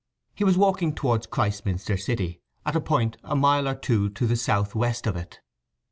He was walking towards Christminster City, at a point a mile or two to the south west of it.